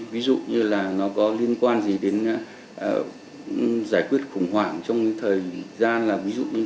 ví dụ như là nó có liên quan gì đến giải quyết khủng hoảng trong cái thời gian là ví dụ như